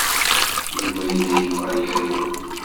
Yuba yella yebɣa ad yerwel.